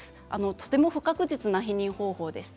とても不確実な避妊方法です。